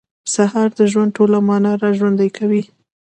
سهار د ژوند ټوله معنا راژوندۍ کوي.